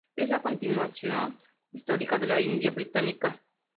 Es la continuación histórica de la India británica.